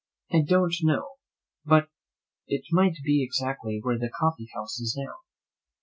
I don't know but it might be exactly where the coffee house is now.